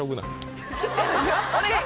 お願い！